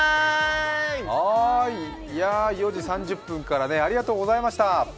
はーい、４時３０分からね、ありがとうございました。